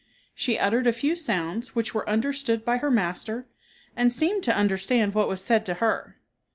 She uttered a few sounds which were understood by her master, and seemed to understand what was said to her.